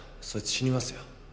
そいつ死にますよ。